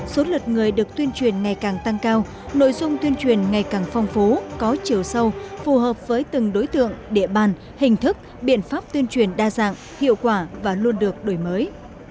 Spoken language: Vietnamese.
số lượt người được tuyên truyền ngày càng tăng cao nội dung tuyên truyền ngày càng phong phú có chiều sâu phù hợp với từng đối tượng địa bàn hình thức biện pháp tuyên truyền đa dạng hiệu quả và luôn được đổi mới